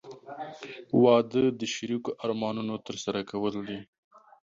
• واده د شریکو ارمانونو ترسره کول دي.